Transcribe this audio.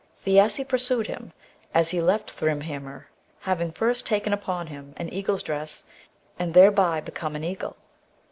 Thiassi pursued him as he left Thrymheimr, having first taken upon him an eagle's dress, and thereby become an eagle.